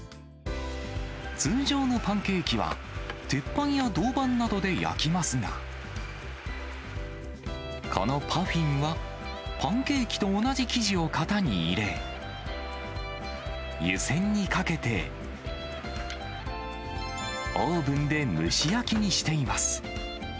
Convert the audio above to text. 通常のパンケーキは、鉄板や銅板などで焼きますが、このパフィンは、パンケーキと同じ生地を型に入れ、湯せんにかけて、オーブンで蒸し焼きにしています。